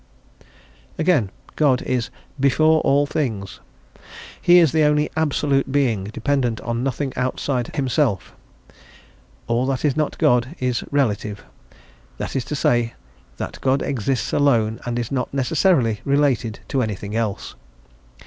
Again, God is "before all things," he is the only Absolute Being, dependent on nothing outside himself; all that is not God is relative; that is to say, that God exists alone and is not necessarily related to anything else.